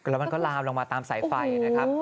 แล้วมันก็ลามลงมาตามสายไฟนะครับ